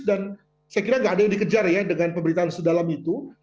dan saya kira nggak ada yang dikejar ya dengan pemberitaan sedalam itu